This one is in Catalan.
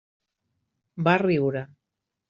Va riure.